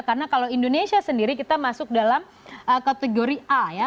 karena kalau indonesia sendiri kita masuk dalam kategori a ya